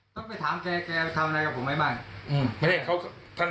ช่วงไปถามแกแกว่าจะทำอะไรกับผมบ้าง